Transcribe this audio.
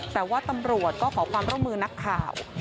แต่ว่าตำรวจก็ขอความร่วมมือนักข่าว